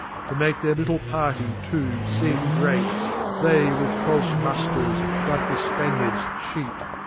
To make their little Party too, feem great, They with falfe Mufters, like the Spaniards, cheat